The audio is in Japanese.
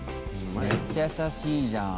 めっちゃ優しいじゃん。